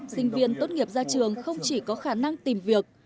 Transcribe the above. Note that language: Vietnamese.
sinh viên tốt nghiệp ra trường không chỉ có khả năng tìm việc